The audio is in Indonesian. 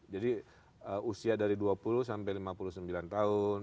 jadi usia dari dua puluh sampai lima puluh sembilan tahun